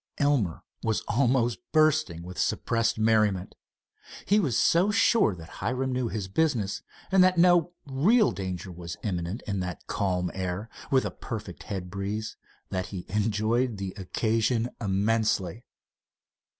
Elmer was almost bursting with suppressed merriment. He was so sure that Hiram knew his business and that no real danger was imminent in that calm air with a perfect head breeze, that he enjoyed the occasion immensely.